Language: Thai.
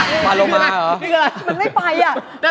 อะไรพี่ปาโลมาเหรอมันไม่ไฟอ่ะ